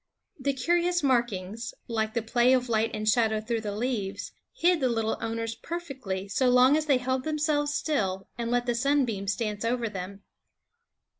The curious markings, like the play of light and shadow through the leaves, hid the little owners perfectly, so long as they held themselves still and let the sunbeams dance over them.